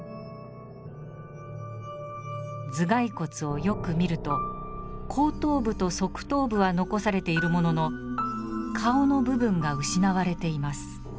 頭蓋骨をよく見ると後頭部と側頭部は残されているものの顔の部分が失われています。